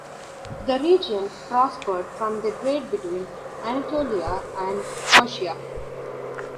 The region prospered from the trade between Anatolia and Persia.